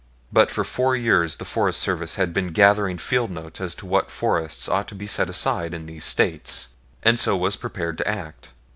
But for four years the Forest Service had been gathering field notes as to what forests ought to be set aside in these States, and so was prepared to act.